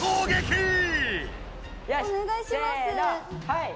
はい！